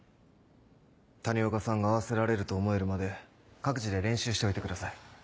谷岡さんが合わせられると思えるまで各自で練習しておいてください。